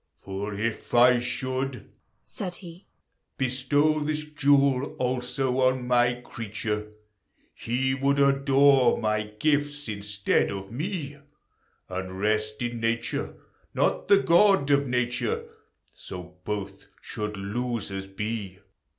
For if T should (said he) Bestow this jewel also on my creature, He would adore my shifts instead of me, And rest in Nature, not the God of Nature: So both should losers be.